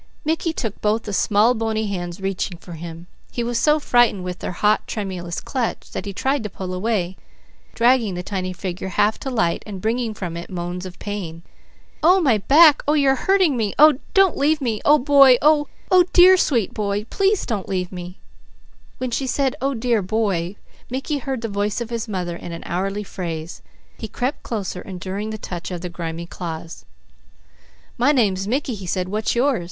Mickey took both the small bony hands reaching for him. He was so frightened with their hot, tremulous clutch, that he tried to pull away, dragging the tiny figure half to light and bringing from it moans of pain. "Oh my back! Oh you're hurting me! Oh don't leave me! Oh boy, oh dear boy, please don't leave me!" When she said "Oh dear boy," Mickey heard the voice of his mother in an hourly phrase. He crept closer, enduring the touch of the grimy claws. "My name's Mickey," he said. "What's your?"